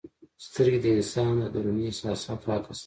سترګې د انسان د دروني احساساتو عکس دی.